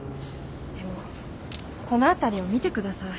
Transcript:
でもこの辺りを見てください。